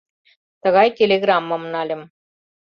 Тыгай телеграммым нальым: